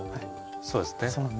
そうですね。